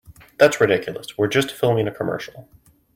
That's ridiculous, we're just filming a commercial.